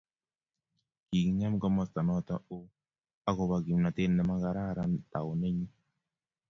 Kigingem komostanoto oo agoba kimnatet nemagararan taunenyi